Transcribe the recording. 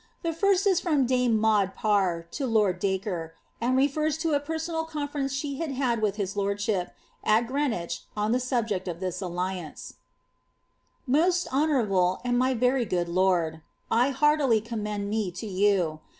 * The first is from dame Maud Parr to Lord Dacre, and Rfisn to a personal conference she had had with his lordship, at Green wich, on the subject of this alliance :— "Most honourable and my very good lord, ■ I heartily commend me to you.